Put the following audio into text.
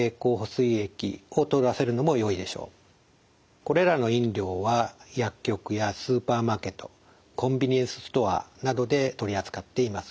これらの飲料は薬局やスーパーマーケットコンビニエンスストアなどで取り扱っています。